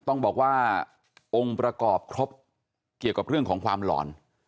ต้องบอกว่าองค์ประกอบครบเกี่ยวกับเรื่องของความหลอน